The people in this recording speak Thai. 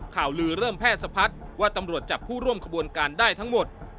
ข่าวลือเริ่มแพทย์สะพัดว่าตำรวจจับผู้ร่วมขบวนการได้ทั้งหมด